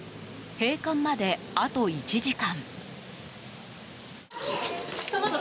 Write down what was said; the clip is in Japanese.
閉館まであと１時間。